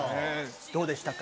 どうでしたか？